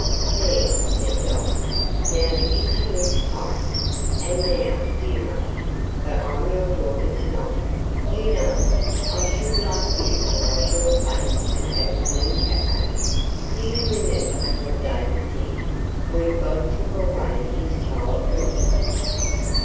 "There," said Dinah, "now the kitchen looks tidy, and now, dear Mother—for I'm your daughter to night, you know—I should like you to wash your face and have a clean cap on. Do you remember what David did, when God took away his child from him?